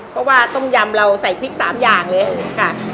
เพราะว่าต้มยำเราใส่พริก๓อย่างเลยค่ะ